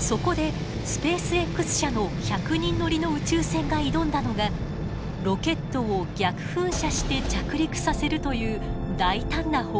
そこでスペースＸ社の１００人乗りの宇宙船が挑んだのがロケットを逆噴射して着陸させるという大胆な方法です。